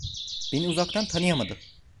Beni uzaktan tanıyamadı.